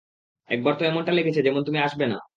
একবার তো এমনটা লেগেছে, যেমন তুমি আসবে না।